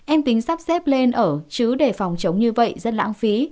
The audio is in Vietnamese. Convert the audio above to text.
em tính sắp xếp lên ở chứ để phòng chống như vậy rất lãng phí